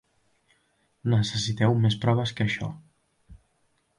Necessiteu més proves que això.